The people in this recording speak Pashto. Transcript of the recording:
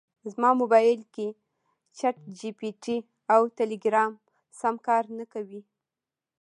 زما مبایل کې چټ جي پي ټي او ټیلیګرام سم کار نکوي